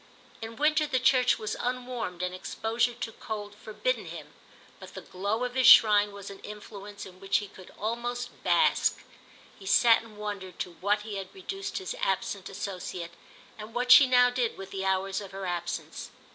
In winter the church was unwarmed and exposure to cold forbidden him, but the glow of his shrine was an influence in which he could almost bask. He sat and wondered to what he had reduced his absent associate and what she now did with the hours of her absence.